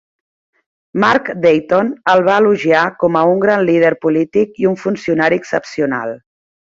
Mark Dayton el va elogiar com a "un gran líder polític i un funcionari excepcional".